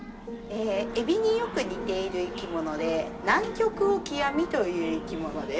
エビによく似ている生き物でナンキョクオキアミという生き物です。